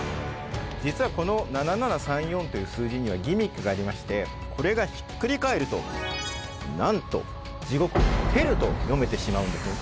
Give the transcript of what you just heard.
じつはこの７７３４という数字にはギミックがありましてこれがひっくり返るとなんと地獄ｈｅｌｌと読めてしまうんですね。